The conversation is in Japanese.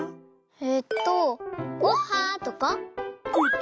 えっとおっは！とか？